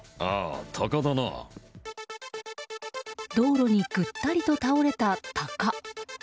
道路にぐったりと倒れたタカ。